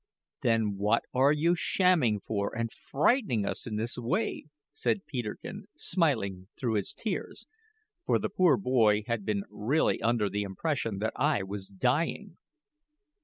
"Then what are you shamming for, and frightening us in this way?" said Peterkin, smiling through his tears; for the poor boy had been really under the impression that I was dying.